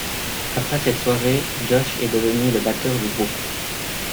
Après cette soirée Josh est devenu le batteur du groupe.